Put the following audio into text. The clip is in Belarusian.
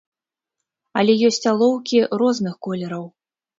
Але ёсць алоўкі розных колераў.